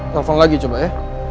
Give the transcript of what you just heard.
telepon lagi coba ya